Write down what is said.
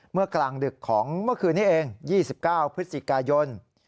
กลางดึกของเมื่อคืนนี้เอง๒๙พฤศจิกายน